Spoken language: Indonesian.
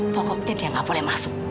pokoknya dia nggak boleh masuk